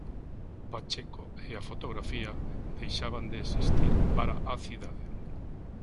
Pacheco e a fotografía deixaban de existir para a cidade.